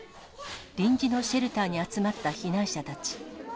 臨時のシェルターに集まった避難者たち。